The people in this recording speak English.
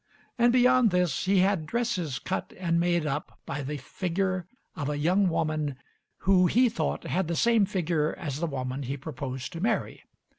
And beyond this he had dresses cut and made up by the figure of a young woman who, he thought, had the same figure as the woman he proposed to marry.